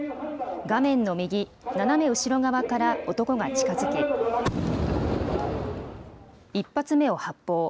画面の右、斜め後ろ側から男が近づき、１発目を発砲。